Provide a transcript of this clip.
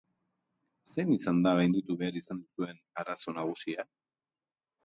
Zein izan da gainditu behar izan duzuen arazo nagusia?